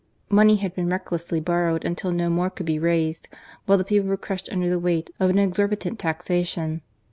Money had been recklessly borrowed until no more could be raised, while the people were crushed under the weight of an exorbitant taxation.